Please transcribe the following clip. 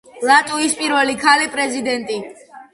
ლატვიის პირველი ქალი-პრეზიდენტი.